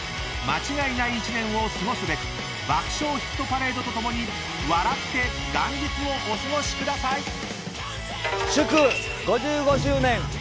間違いない１年を過ごすべく「爆笑ヒットパレード」と共に笑って元日をお過ごしください！